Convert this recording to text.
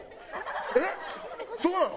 えっそうなの？